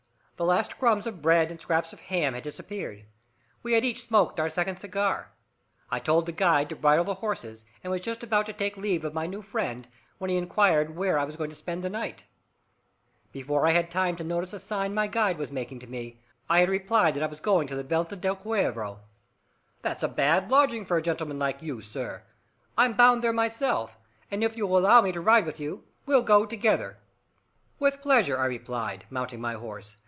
The last crumbs of bread and scraps of ham had disappeared. We had each smoked our second cigar; I told the guide to bridle the horses, and was just about to take leave of my new friend, when he inquired where I was going to spend the night. Before I had time to notice a sign my guide was making to me I had replied that I was going to the Venta del Cuervo. "That's a bad lodging for a gentleman like you, sir! I'm bound there myself, and if you'll allow me to ride with you, we'll go together." "With pleasure!" I replied, mounting my horse.